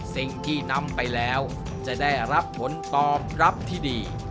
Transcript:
สิ่งที่นำไปแล้วจะได้รับผลตอบรับที่ดี